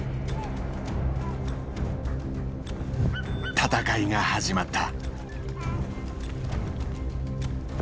戦いが始まった。